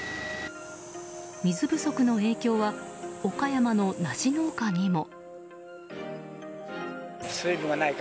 水不足の影響は岡山のナシ農家にも。